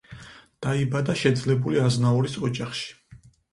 დაიბადა შეძლებული აზნაურის ოჯახში.